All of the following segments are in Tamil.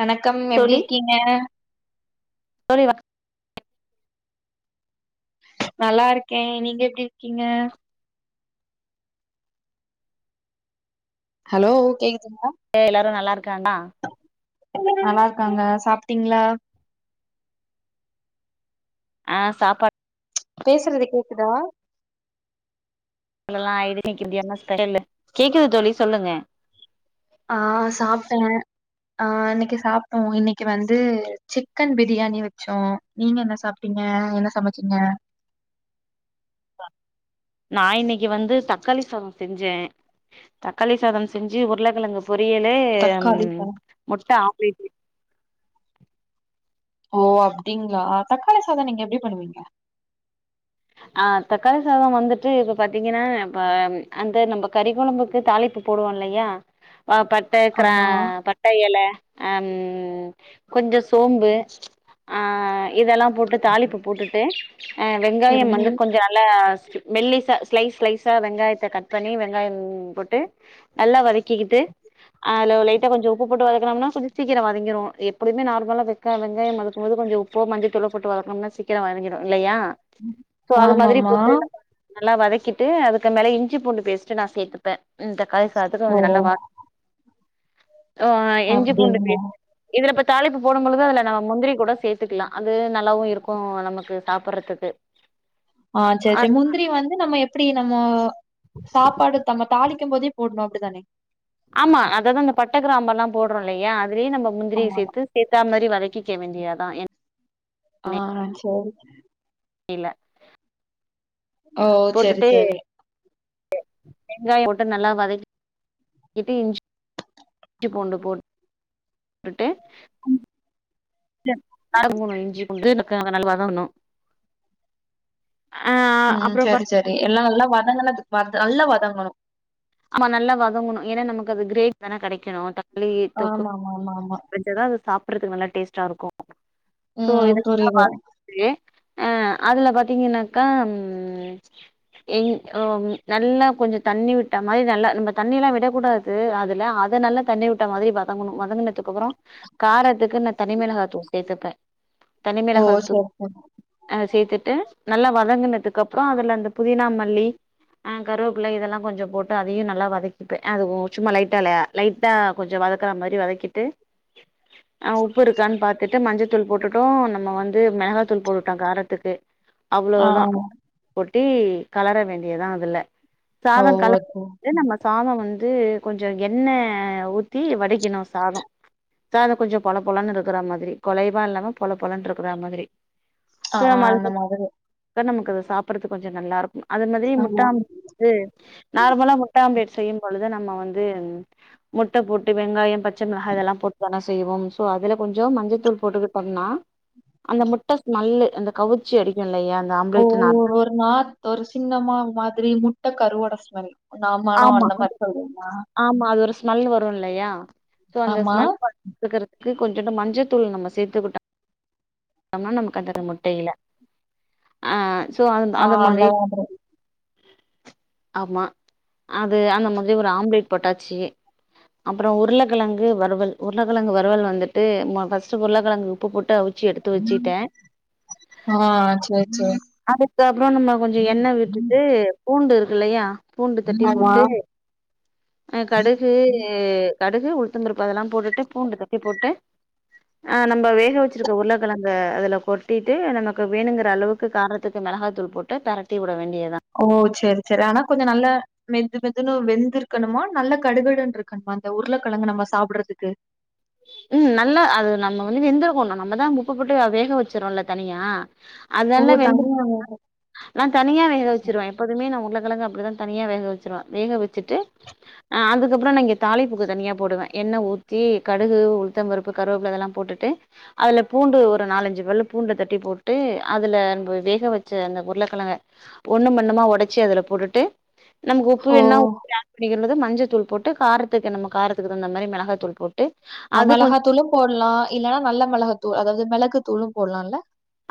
வணக்கம் எப்டி தோழி இருக்கீங்க தோழி வ நல்லா ருக்கே நீங்க எப்டி இருக்கீங்க ஹலோ கேக்குதுங்களா ஏ எல்லாரு நல்லா இருக்காண்ணா நல்லா இருக்காங்க சாப்ட்டீங்களா ஆ சாப்பாடு பேசுறது கேக்குதா சொல்லலா இது இன்னைக்கி வந்து என்ன ஸ்பெஷலு கேக்குது தோழி சொல்லுங்க ஆ சாப்ட்டேங்க ஆ அன்னைக்கு சாப்டோ இன்னைக்கி வந்து சிக்கன் பிரியாணி வச்சோ நீங்க என்ன சாப்ட்டீங்க என்ன சமச்சீங்க நான் இன்னைக்கி வந்து தக்காளி சாதம் செஞ்சேன் தக்காளி சாதம் செஞ்சு உருளைக்கிழங்கு பொரியல உ தக்காளி சாதம் முட்டை ஆம்லேட்டு ஓ அப்டிங்களா தக்காளி சாதம் நீங்க எப்டி பண்ணுவீங்க ஆ தக்காளி சாதம் வந்துட்டு இப்ப பாத்தீங்கன்னா இப்ப அந்த நம்ம கறி குழம்புக்கு தாலிப்பு போடுவோம்ல்லையா அ பட்ட கிரா ஆமா பட் பட்ட எல கொஞ்சோ சோம்பு ஆ இதெல்லா போட்டு தாளிப்பு போட்டுட்டு அ வெங்காயம் சரிங்க வந்து கொஞ்சம் நல்லா மெல்லிசா ஸ்லைஸ் ஸ்லைஸா வெங்காயத்தை கட் பண்ணி வெங்காயம் போட்டு நல்லா வதக்கிக்கிட்டு அதுல லைட்டா கொஞ்சோ உப்பு போட்டு வதக்கணும்னா கொஞ்சம் சீக்கிரம் வதங்கிடும் எப்பவுமே நார்மலா வச் சாங்க வதக்கும்போது கொஞ்சம் உப்ப மஞ்சதூள போட்டு வதக்கணும்னா சீக்கிரம் வாதங்கிடும் இல்லையா சோ அது மாதிரி ஆமாமா போட்டு நல்லா வதக்கிட்டு அதுக்கு மேல இஞ்சி பூண்டு பேஸ்டு நான் சேர்த்துப்பேன் இந்த கதவ் சாத்துட்டு ஓ கொஞ்சம் நல்லா வா ஆ இஞ்சி பூண்டு அப்டிங்களா பேஸ்ட் இதுல இப்ப தாளிப்பு போடும் பொழுது அதுல நம்ம முந்திரி கூட சேர்த்துக்கலாம் அது நல்லாவும் இருக்கும் நமக்கு சாப்பிடடுறதுக்கு ஆ சேர் சேர் முந்திரி வந்து நம்ம எப்டி நம்மோ சாப்பாடு நம்ம தாளிக்கும் போதே போடுங்க அப்டி தானே ஆமா அதாவான் இந்த பட்டக் கிராம்பு எல்லாம் போடுறோம் இல்லையா அதுலியே நம்ம முந்திரிய ஆமா சேர்த்து சேத்த மாரி வதக்கிக்க வேண்டியாதான் ஆ சேரி இல்ல ஓ சரி போட்டுட்டு சரி வெங்காயம் மட்டும் நல்லா வதக்கிட்டு இஞ்சி இஞ்சி பூண்டு போ ட்டுட்டு ம் இல்ல காரம் மூணும் இஞ்சிபூண்டு எனக்குந்த நல்ல வதங்கனும் ம் அப்புறம் பா சரி சரி எல்லாம் நல்லா வதங்கன நல்லா வதங்கனும் ஆமா நல்லா வதங்கணும் ஏன்னா நமக்கு அது கிரேவி தானே கிடைக்கணும் தள்ளி தொக்கு ஆமா ஆமா ஆமா ஆமா எதாது சாப்பறதுக்கு நல்லா டேஸ்ட்டா இருக்கும் சோ ம் எனக்கு தா புரியுது பாதி லயே ஆ அதுல பாத்தீங்கன்னாக்கா ம் ஏ ஓ நல்லா கொஞ்சம் தண்ணி விட விட்ட மாரி நல்லா நம்ம தண்ணி எல்லாம் விடக்கூடாது அதுல அத நல்ல தண்ணி விட்ட மாரி வதங்கணும் வதங்கினதுக்கு அப்பறம் காரத்துக்கு நான் தனிமிளகா தூள் சேர்த்துப்பேன் ஓ தனிமிளக தூள் சரி சரி அ சேர்த்துட்டு நல்லா வதங்குனதுக்குப்புறம் அதுல அந்த புதினா மல்லி ஆ கருவேப்பிள்ளை இதெல்லாம் கொசம் போட் அதையும் நல்லா வதக்கிப்பேன் அது சும்மா லைட்டா இல்லையா லைட்டா கொஞ்சம் வதக்கற மாரி வதக்கிட்டு ஆஹ் உப்பு இருக்கான்னு பார்த்துட்டு மஞ்சள்த்தூள் போட்டுட்டோம் நம்ம வந்து மிளகாயாத்தூள் போட்டுட்டோம் காரத்துக்கு ஆ அவ்ளோதா ஆமா. கொட்டி கலர வேண்டியதான் அதுல ஓ சாதம் கலர் அது நம்ம சாதம் வந்து கொஞ்சம் எண்ணெய் ஊத்தி வடிக்கணும் சாதம் சாதம் கொஞ்சம் பொல பொலன்னு இருக்கற மாதிரி குழைவா இல்லாம பொல பொலன்னு இருக்கற மாதிரி ஆ சோ அந்த நம்மது மாதிரி நமக்கு அது சாப்பிடுறதுக்கு கொஞ்சம் நல்லா இருக்கும் அது மாதிரி முட்டா ஆமா ஆம் ட்டு நார்மலா முட்ட ஆம்ப்லேட் செய்யும் பொழுது நம்ம வந்து முட்ட போட்டு வெங்காயம் பச் பச்ச மிளகா இதெல்லாம் போட்டு தானா செய்வோம் சோ அதுல கொஞ்சம் மஞ்சள்த்தூள் போட்டுக்கிட் பண்ணா அந்த முட்ட ஸ்மெல்லு அந்த கவுச்சி அடிக்கும் இல்லயா அந்த ஓ ஆம்ப்லேட் நா ஒரு நாத் ஒரு அசிங்கம்மா மாதிரி முட்டக்கரு ஓட ஸ்மெல் நம்மலும் ஆமா அந்த மாதிரி சொல்லனுமா ஆமா அது ஒரு ஸ்மெல் வரு இல்லயா சோ அந்த ஆமா ஸ்மெல் இருக்கறிறதுக்கு கொஞ்சண்டு மஞ்சத்தூள் நம்ம சேர்த்துக்கிட்டோமோம்னா நமக்கு அந்த முட்டைல ஆ சோ அந்த அந்த மாதிரி ஆமா அது அந்த மாதிரி ஒரு ஆம்லேட் போட்டாச்சு அப்பற உருளக்கிழங்கு வறுவல் உருளக்கழங்கு வரவல் வந்துட்டு ஃபர்ஸ்ட் உருளைக்கழங்கு உப்பு போட்டு அவி அவுச்சு எடுத்து வச்சுட்ட ஆ சரி சரி அதுக்கப்பற நம்ம கொஞ்ச எண்ணெ விட்டுட்டு பூண்டு இருக்கு இல்லயா பூண்டு தட்டி ஆமா போட்டு கடுகு கடுகு உளுத்தந்தருப்பு அதெல்லா போட்டுட்டு பூண்டு டத்தி போட்டு ஆ நம்ம வேக வச்சுருக்க உருளக்கழங்க அதுல கொட்டிட்டு நமக்கு வேணுங்கிற அளவுக்கு கார க்கு மிளகாத்தூள் போட்டு பரட்டி விட வேண்டியதுதா ஓ சேரி சேரி ஆனா கொஞ்ச நல்ல மெது மெதுன்னு வெந்த இருக்கணுமா நல்ல கடுகடுன்ன இருக்கணுமா இந்த உருளைக்கழங்க நம்ம சாப்டறதுக்கு ம் நல்ல அது நம்ம வந்து வேந்திருக்கணு நம்மதா உப்பு போட்டு வேக வச்சிரோல தனியா ஓ அதெல்லா தனி வெந்த நா தனியா வேக வச்சுருவ எப்போதுமே நா உருள்ளகிழங்க அப்டிதா தனியா வேக வச்சிருவ வேக வச்சுட்டு ஆ அதுக்கப்பற நா இங்க தாளிப்பூக்கு தனியா போடுவ எண்ணெ ஊத்தி கடுகு உளுத்தம்பருப்பு கருவேப்புல்ல அதெல்லா போட்டுட்டு அதுல பூண்டு ஒரு நாலஞ்சு பல் பூண்டு தட்டி போட்டு அதுல நம்ப வேக வச்ச அந்த உருளக்கிழங்க ஒண்ணு ஒண்ணுமா உடச்சி அதுல போட்டுட்டு நமக்கு உப்பு ஓ வேணுன்னா உப்பு ஆட் பண்ணிக்கது மஞ்சள் தூள் போட்டு காரத்துக்கு நம்ம காரத்துக்கு தந்த மாதிரி மிளகா தூள் போட்டு ஆ அது கொஞ்ச மிளகாத்தூளு போடலா இல்லன்னா நல்ல மிளகாத்தூள் அதாவது மிளகு தூளு போடலாம்ல்ல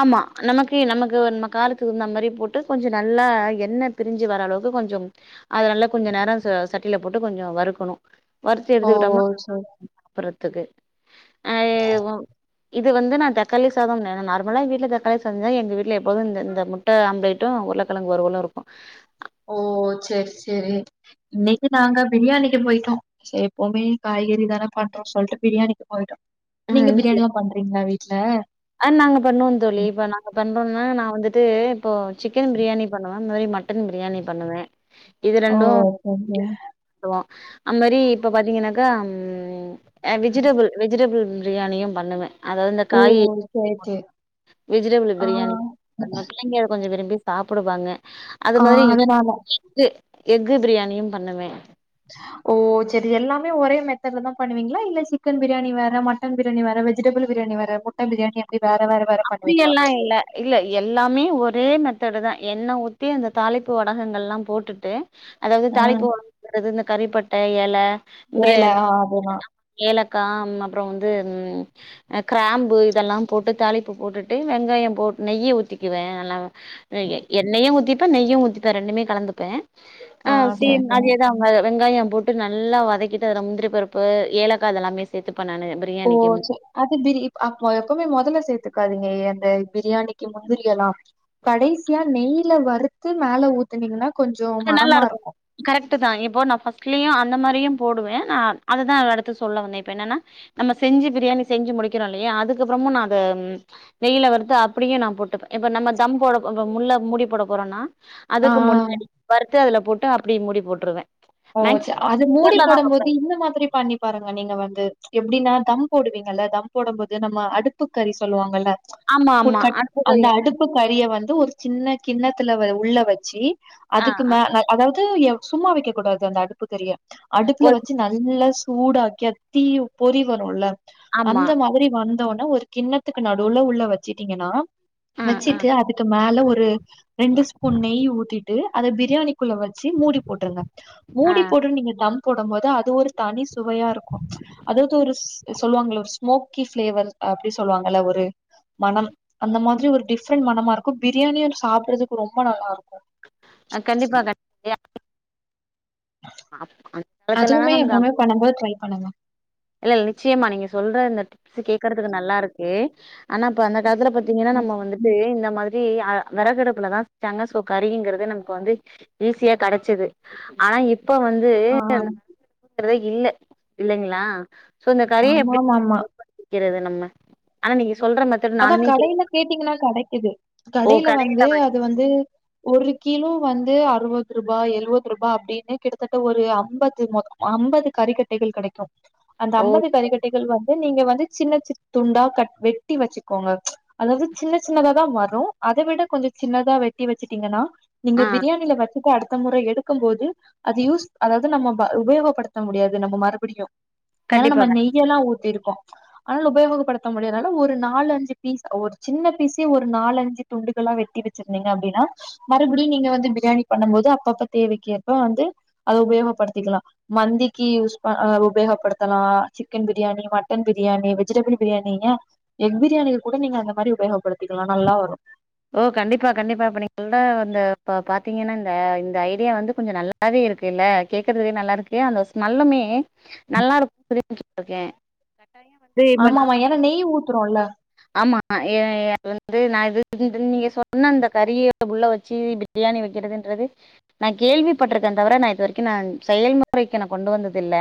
ஆமா நமக்கு நமக்கு நம்ம கார தகுந்த மாதிரி போட்டு கொஞ்ச நல்லா எண்ணெய் பிரிஞ்சு வர அளவுக்கு கொஞ்ச அதுனால கொஞ்ச நேர ச சட்டியில போட்டு கொஞ்ச வறுக்கணு வறுத்தி ஓ எடுத்துக்கிட்டோம்னா சேரி றதுக்கு இது வந்து நா தக்காளி சாத நார்மலா எங்க வீட்டுல தக்காளி சாத சஞ்சா எங்க வீட்ல எப்பது இந்த முட்ட ஆம்பளட்டு உருக்கழங்கு வறுவல்லு இருக்கும் ஓ சரி சரி இன்னிக்கு நாங்க பிரியாணிக்கு போயிட்டோ சரி எப்பவுமே காய்கறி தான பண்றோம்னு சொல்லிட்டு பிரியாணிக்கு போயிட்டோ நீங்க பிரியாணில்லா பண்றீங்களா வீட்டு்ல நாங்க பண்ணுவோ தோழி இப்ப நாங்க பண்ணறோம்னா நா வந்துட்டு இப்போ சிக்கன் பிரியாணி பண்ணுவ இந்த மாரி மட்டு மட்டன் பிரியாணி பண்ணுவ இது ஓ ரெண்டு அப்டியா செஞ்சுருவோ அது மாரி இப்ப பாத்தீங்கன்னாக்கா ம் அ வெஜிடபிள் வெஜிடபிள் பிரியாணியு பண்ணுவ அதாவது இந்த ஓ காய் சேரி சேரி வெஜிடபிள் ஆ பிரியாணி [unintelligible] பிள்ளைங்க கொஞ்ச விரும்பி சாப்புடுவாங்க அது ஆ மாரி அதனால எ எஃகு பிரியாணியு பண்ணுவ ஓ சேரி எல்லாமே ஒரே மெத்தட்ல தா பண்ணுவீங்களா இல்ல சிக்கன் பிரியாணி வேற மட்ட மட்டன் பிரியாணி வேற வெஜிடபிள் பிரியாணி வேற முட்ட பிரியாணி அப்டி வேற வேற வேற அப்டி பண்ணுவீங்களா எல்லா இல்ல இல்ல எல்லாமே ஒரே மெத்தடு தா எண்ணெய் ஊத்தி அந்த தாளிப்பு வடகங்கள் எல்லா போட்டுட்டு அதாவது தாளிப்பு ம் வடகங்கறது இந்த கறிப்பட்ட இல ஏல ஆகுமா ஏலக்கா அப்ற வந்து கிராம்பு இதல்லா போட்டு தாளி உப்பு போட்டுட்டு வெங்காய போட் நெய்ய ஊத்திக்குவே நல்லா எண்ணெயையு ஊத்திப்பே நெய்யு ஊத்திப்பே ரெண்டுமே கலந்துப்பே ஆ சேம் அதேதா வெங்காயம் போட்டு நல்லா வதக்கிட்டு அதுல முந்திரி பருப்பு ஏலக்கா அத எல்லாமே சேத்துப்ப நானு ஓ பிரியாணிக்கு சேர் அது பிரி அப்ப எப்பவுமே மொதல்ல சேத்துக்காதீங்க அந்த பிரியாணிக்கு முந்திரி எல்லா கடைசியா நெய்ல வறுத்து மேல ஊத்துனீங்கன்னா கொஞ்சோ மணமா இருக்கு கரெக்டு தா இப்போ நா ஃபர்ஸ்ட்லயு அந்த மாரியு போடுவே நா அத தா அடுத்து சொல்ல வந்தே இப்ப என்னன்னா நம்ம செஞ்சு பிரியாணி செஞ்சு முடிக்கிறோ இல்லையா அதுக்கு அப்றமு நா அத நெய்ல வறுத்து அப்டியு நா போட்டுப்பே இப்ப நம்ம தம் போட முல்ல மூடி போட போறோம்னா ஆ அதுக்கு முன்னாடி வறுத்து அதுல போட்டு அப்டியே மூடி போட்டுருவே ஓ ச மேக்சிமம் அது மூடி குக்கர்ல தா போடு வப்பே போது இந்த மாரி பண்ணி பாருங்க நீங்க வந்து எப்டின்னா தம் போடுவீங்கல்ல தம் போடு போது நம்ம அடுப்பு கறி சொல்லுவாங்கல்ல ஆமா போட் ஆமா கட் அடுத்தது அந்த எ- அடுப்பு கறிய வந்து ஒரு சின்ன கிண்ணத்துல உள்ள வச்சி ஆ அதுக்கு மேல அதாவது சும்மா வைக்கக் கூடாது அந்த அடுப்பு கரிய அடுப்புல ஒரு வச்சு நா நல்லா சூடாக்கி தீ பொறிவருல ஆமா அந்த மாரி வந்தோனே ஒரு கிண்ணத்துக்கு நடுவுல உள்ள வச்சுட்டீங்கன்னா ஆ வெச்சுட்டு அதுக்கு மேல ஒரு ரெண்டு ஸ்பூன் நெய் ஊத்திட்டு அத பிரியாணிக்குள்ள வச்சு மூடி போட்டுருங்க ஆ மூடி போட் டு நீங்க தம் போடும் போது அது ஒரு தனி சுவையா இருக்கு அதாவது ஒரு சொல்லுவாங்கள ஒரு ஸ்மோக்கி ஃப்ளேவர் அப்டி சொல்லுவாங்கள ஒரு மணம் அந்த மாரி ஒரு டிஃப்ரெண்ட் மணமா இருக்கு பிரியாணியு சாப்பிடறதுக்கு ரொம்ப நல்லா இருக்கு அ கண்டிப்பா க அந்த காலத்துலலா அதுவுமே நமக்கு எப்பவுமே பண்ணும்போது ட்ரை பண்ணுங்க இல்ல நிச்சயமா நீங்க சொல்ற இந்த டிப்ஸ் கேக்குறதுக்கு நல்லா இருக்கு ஆனா இப்ப அந்த காலத்துல பாத்தீங்கன்னா ம் நம்ம வந்துட்டு இந்த மா ரி விறகு அடுப்புலதா செஞ்சாங்க சோ கரிங்கறது நமக்கு வந்து ஈஸியா கெடைச்சிது ஆனா இப்ப வந்து ஆ ரதே இல்ல இல்லைங்களா சோ இந்த கரிய எப்டி ஆமாமாமா ஏற்படுத்திக்கிறது நம்ம ஆனா நீங்க சொல்ற மா அதா கடையில கேட்டீங்கன்னா கடைக்கிது ஓ கடையில வந்து வாங் அது வந்து ஒரு கிலோ வந்து அறுபது ரூபா எழுவது ரூபா அப்டின்னு கிட்டத்தட்ட ஒரு ஐம்பது மு ஐம்பது கரிக்கட்டைகள் கிடைக்கு அந்த ஓ ஐம்பது கரிக்கட்டைகள் வந்து நீங்க வந்து சின்ன சின்ன துண்டா கட் வெட்டி வச்சு கோங்க அதாவது சின்ன சின்னதா வரு அதை விட கொஞ்ச சின்னதா வெட்டி வச்சுட்டீங்கன்னா நீங்க ஆ பிரியாணியில வச்சுட்டு அடுத்த முறை எடுக்கு போது அது யூஸ் அதாவது நம்ம உபயோகப்படுத்த முடியாது நம்ம மறுபடியு ஏன்னா கண்டிப்பா நம்ம கண் நெய் யிலெல்லா ஊத்தி இருக்கோ அதனால உபயோகப்படுத்த முடியால ஒரு நாலு அஞ்சு பீஸ் ஒரு சின்ன பீஸே ஒரு நாலஞ்சு துண்டுகளல்லா வெட்டி வச்சிருந்தீங்க அப்டின்னா மறுபடியும் நீங்க வந்து பிரியாணி பண்ணும் போது அப்பப்ப தேவைக்கேற்ப வந்து அத உபயோகப்படுத்திக்கலா மந்திக்கு யூஸ் ப உபயோகப்படுத்தலா chicken biryani mutton biryani vegetable biryani ஏ எக் பிரியாணிக்கு கூட நீங்க அந்த மாதிரி உபயோகப்படுத்திக்கலா நல்லா வரு ஓ கண்டிப்பா கண்டிப்பா இப்ப நீ பாத்தீங்கன்னா இந்த இந்த ஐடியா வந்து கொஞ்ச நல்ல வே இருக்கு இல்ல கேட்குறதே நல்லாருக்கு அந்த ஸ்மெல்லுமே நல்லா இருக்கு பு இருக்கே ஆமாமா ஏன்னா நெய் ஊத்துரோம்ல ஆமா எ வந்து நா இ நீங்க சொன்ன அந்த கறிய உள்ள வச்சு பிரியாணி வைக்கிறது ன்றது நான் கேள்விப்பட்டிருக்கேன் தவிர நா கேள்விபட்டுருக்கே தவிர நா இது வரைக்கு நா செயல்முறைக்கு நா கொண்டு வந்தது இல்ல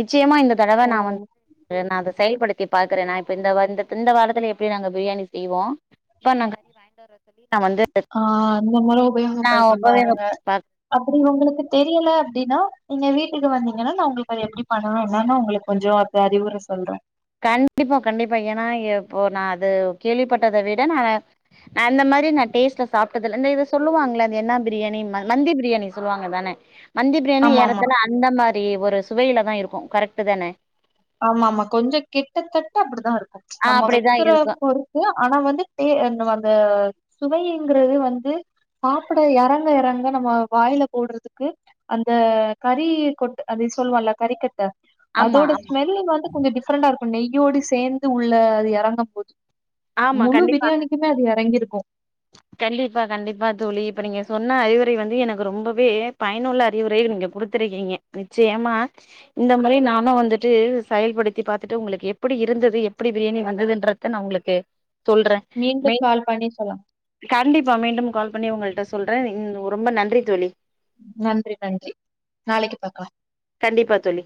நிச்சயமா இந்த தடவை நா வந்து நா அதை செயல்படுத்தி பாக்குறே நா இப்ப வார ல எப்படி நாங்க பிரியாணி செய்வோம் [unintelligible] நாங்க வந்து ஆஹ் அந்த முறை நா உபயோகப்படுத்தி உபயோக பாருங்க அப்படி உங்களுக்கு தெரியல அப்படின்னா நீங்க வீட்டுக்கு வந்தீங்கன்னா நான் உங்களுக்கு அத எப்படி பண்ணணு என்னனு உங்களுக்கு கொஞ்சோ அறிவுரை சொல்றேன் கண்டிப்பா கண்டிப்பா ஏன்னா இப்போ நான் அது கேள்விப்பட்டதை விட நானு அந்த மாறி நான் டேஸ்ட்ல சாப்பிட்டதுல இந்த இத சொல்லுவாங்களே அது என்ன பிரியாணி மந்தி பிரியாணி சொல்லுவாங்க தானே மந்திபிரியாணி ஆமாமா. ஏறத்தால அந்த மாறி ஒரு சுவையில தான் இருக்கும் கரெக்டு தானே ஆமா ஆமா கொஞ்சோ கிட்டத்தட்ட அப்படித்தான் இருக்கும் ஆ நம்ம அப்டிதா வைக்கிற இருக்கு பொறுத் ஆனா வந்து பே அந்த சுவைங்கிறது வந்து சாப்பிட இறங்க இறங்க நம்ம வாயில போடுறதுக்கு அந்த கறி கொட்டு அது சொல்லுவான்ல கறி கட்ட ஆமா அதோட ஆமா ஸ்மெல்லு வந்து கொஞ்சோ டிஃப்ரெண்டா இருக்கும் நெய்யோடு சேர்ந்து உள்ள அது இறங்கும் போது ஆமா முழு கண்டிப்பா பிரியாணிக்குமே அது இறங்கிருக்கும் கண்டிப்பா கண்டிப்பா தோழி இப்ப நீங்க சொன்ன அறிவுரை வந்து எனக்கு ரொம்பவே பயனுள்ள அறிவுரை நீங்க கொடுத் துருக்கீங்க நிச்சயமா இந்த மாறியே நானும் வந்துட்டு செயல்படுத்தி பார்த்துட்டு உங்களுக்கு எப்படி இருந்தது எப்படி பிரியாணி வந்ததுன்றத நான் உங்களுக்கு சொல்றேன் மீண்டும் மெய்ல் கால் பண்ணி சொல்லாம் கண்டிப்பா மீண்டும் கால் பண்ணி உங்களுட்ட சொல்றேன் ரொம்ப நன்றி தோழி நன்றி நன்றி நாளைக்கு பாக்கலாம் கண்டிப்பா தோழி